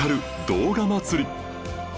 動画祭り』